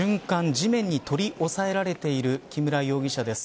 地面に取り押さえられている木村容疑者です。